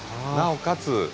なおかつ